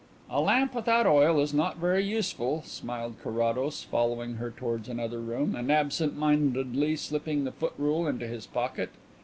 "A lamp without oil is not very useful," smiled Carrados, following her towards another room, and absentmindedly slipping the foot rule into his pocket.